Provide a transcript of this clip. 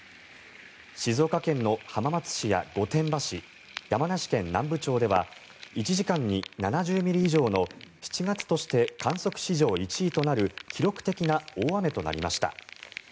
静岡県の浜松市や御殿場市山梨県南部町では１時間に７０ミリ以上の７月として観測史上１位となる記録的な大雨となりました。